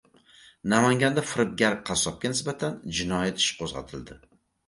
Namanganda firibgar qassobga nisbatan jinoyat ishi qo‘zg‘atildi